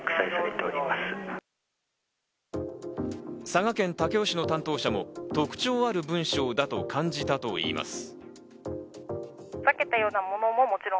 佐賀県武雄市の担当者も特徴ある文章だと感じたといいます。